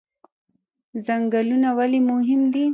ځنګلونه ولې مهم دي؟